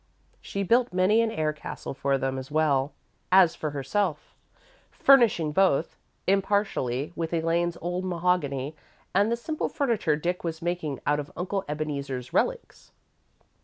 She built many an air castle for them as well as for herself, furnishing both, impartially, with Elaine's old mahogany and the simple furniture Dick was making out of Uncle Ebeneezer's relics.